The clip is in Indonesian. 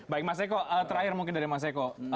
baik mas eko terakhir mungkin dari mas eko